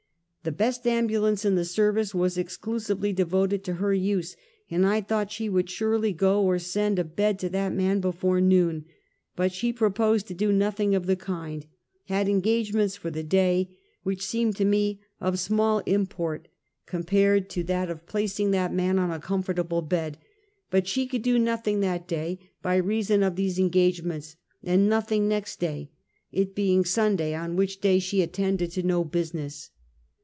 The best ambulance in the service was exclusively devoted to her use, and I thought she would surely go or send a bed to that man before noon; but she proposed to do nothing of the kind, had engagements for the day, which seemed to me of small import compared to tliat 240 Half a Centuet. of placing that man on a comfortable bed; but slie could do notliing that day, by reason of these engage ments, and nothing next day, it being Sunday, on which day she attended to no business.